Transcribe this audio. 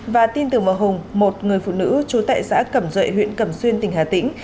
và tin tưởng vào hùng một người phụ nữ trú tại xã cẩm duệ huyện cẩm xuyên tỉnh hà tĩnh